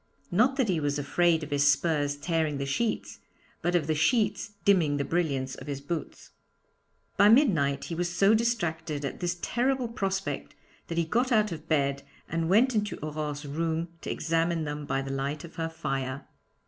Not that he was afraid of his spurs tearing the sheets, but of the sheets dimming the brilliance of his boots. By midnight he was so distracted at this terrible prospect that he got out of bed and went into Aurore's room to examine them by the light of her fire.